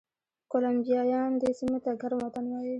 کولمبیایان دې سیمې ته ګرم وطن وایي.